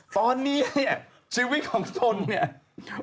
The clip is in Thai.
ตอนนี้เนี่ยชีวิตของตนเนี่ย